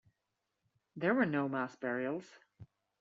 There were no mass burials.